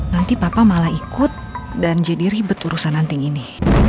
nanti papa malah ikut dan jadi ribet urusan anting ini